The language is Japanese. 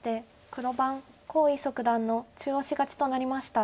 黒番黄翊祖九段の中押し勝ちとなりました。